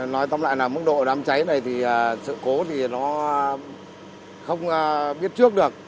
nói tóm lại là mức độ đám cháy này thì sự cố thì nó không biết trước được